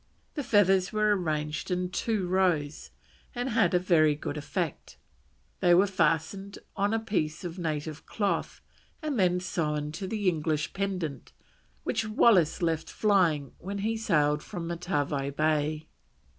The feathers were arranged in two rows and had a very good effect. They were fastened on a piece of native cloth, and then sewn to the English pendant which Wallis left flying when he sailed from Matavai Bay.